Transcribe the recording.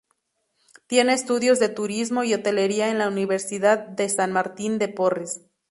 Tiene estudios de Turismo y Hotelería en la Universidad de San Martín de Porres.